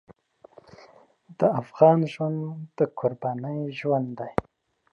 د افغان ژوند د قربانۍ ژوند دی.